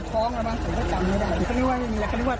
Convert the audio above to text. คือก็ต้องให้ความเป็นความเป็นความกับผู้ตายด้วยนะฮะ